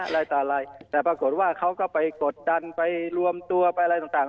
อะไรต่างแต่ปรากฏว่าก็เขาก็ไปกดจันทร์ไปรวมตัวไปอะไรต่าง